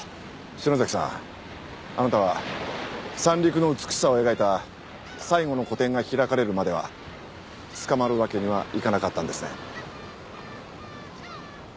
篠崎さんあなたは三陸の美しさを描いた最後の個展が開かれるまでは捕まるわけにはいかなかったんですね。